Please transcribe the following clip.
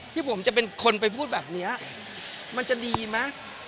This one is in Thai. ที่ผมจะเป็นคนไปพูดแบบนี้มันจะดีไหม